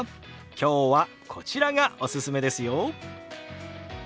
今日はこちらがおすすめですよ。